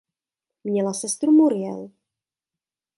Měla sestru Muriel.